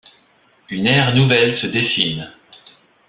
Une ère nouvelle se dessine.